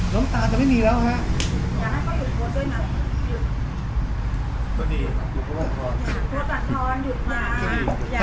น้ำตาจะไม่มีแล้วฮะอยากให้เขาหยุดโผล่ดด้วยหล่ะ